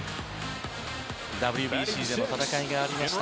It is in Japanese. ＷＢＣでの戦いがありました。